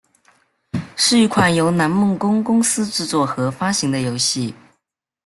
是一款由南梦宫公司制作和发行的游戏。